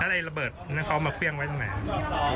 ถ้าเลยระเบิร์ตอย่างนั้นเขาเอามาเปรี้ยงไว้ทางไหน